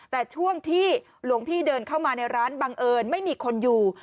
แต่ช่วงที่หลวงพี่เดินเข้ามาในร้านบังเอิญไม่มีคนอยู่